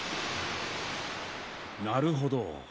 なるほど。